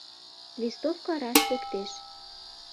Листовка раш лектеш.